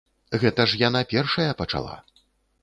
Гэта ж яна першая пачала.